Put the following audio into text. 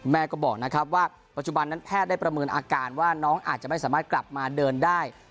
แม่ก็บอกนะครับว่าปัจจุบันนั้นแพทย์ได้ประเมินอาการว่าน้องอาจจะไม่สามารถกลับมาเดินได้